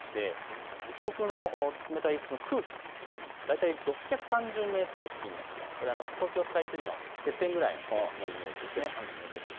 上空の冷たい空気、大体６３０メートル付近、これは東京スカイツリーのてっぺんぐらいです。